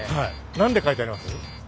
何て書いてあります？